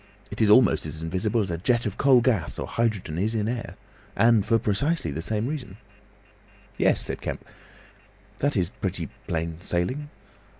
It is almost as invisible as a jet of coal gas or hydrogen is in air. And for precisely the same reason!" "Yes," said Kemp, "that is pretty plain sailing."